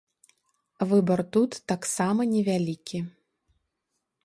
Выбар тут таксама невялікі.